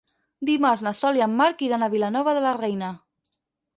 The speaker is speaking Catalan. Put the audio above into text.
Dimarts na Sol i en Marc iran a Vilanova de la Reina.